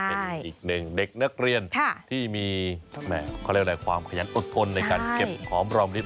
เป็นอีกหนึ่งเด็กนักเรียนที่มีความขยันอดทนในการเก็บของรอบลิฟต์